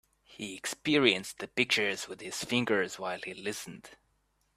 He experienced the pictures with his fingers while he listened.